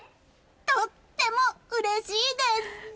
とってもうれしいです！